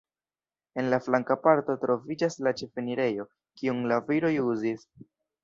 En la flanka parto troviĝas la ĉefenirejo, kiun la viroj uzis.